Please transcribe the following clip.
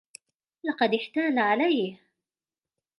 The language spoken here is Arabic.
لقد إحتال عليه.